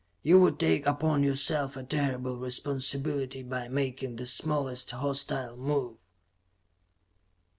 You would take upon yourself a terrible responsibility by making the smallest hostile move.